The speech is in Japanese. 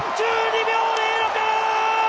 １２秒０６！